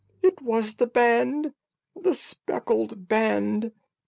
It was the band! The speckled band!